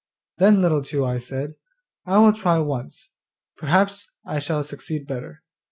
Then Little Two eyes said, 'I will just try once, perhaps I shall succeed better.